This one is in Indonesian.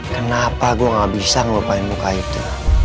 kenapa gue gak bisa ngelupain muka itu